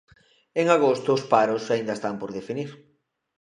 En agosto os paros aínda están por definir.